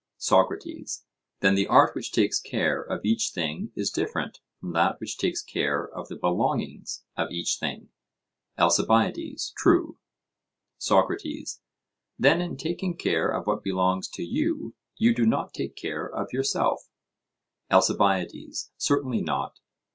SOCRATES: Then the art which takes care of each thing is different from that which takes care of the belongings of each thing? ALCIBIADES: True. SOCRATES: Then in taking care of what belongs to you, you do not take care of yourself? ALCIBIADES: Certainly not.